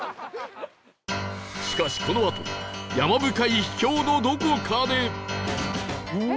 しかしこのあと山深い秘境のどこかで